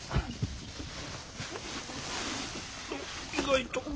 意外と。